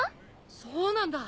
そうなんだ。